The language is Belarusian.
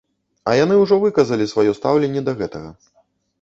А яны ўжо выказалі сваё стаўленне да гэтага.